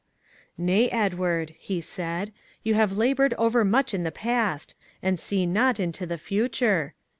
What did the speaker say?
"Nay, Edward," he said, "you have laboured over much in the past and see not into the future.